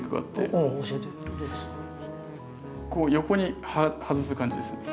こう横に外す感じですね。